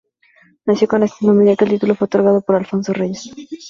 Nació con este nombre ya que el título fue otorgado por Alfonso Reyes.